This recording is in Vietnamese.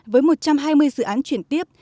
với một trăm hai mươi dự án chuyển tiếp